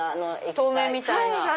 透明みたいな。